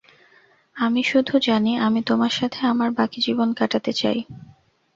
আমি শুধু জানি আমি তোমার সাথে আমার বাকি জীবন কাটাতে চাই।